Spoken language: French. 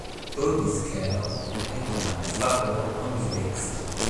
Bobby Scales est un frappeur ambidextre.